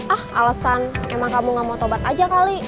ah alasan emang kamu gak mau tobat aja kali